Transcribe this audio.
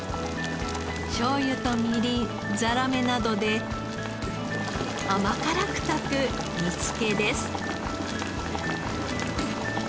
しょうゆとみりんザラメなどで甘辛く炊く煮付けです。